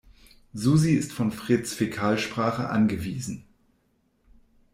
Susi ist von Freds Fäkalsprache angewiesen.